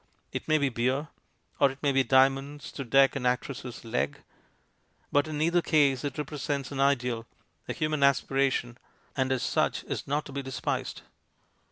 It may be beer, or it may be diamonds to deck an actress's leg, but in either case it represents an ideal, a human aspiration, and as such is not to be despised.